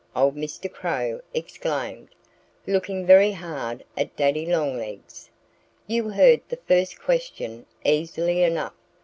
old Mr. Crow exclaimed, looking very hard at Daddy Longlegs. "You heard the first question easily enough.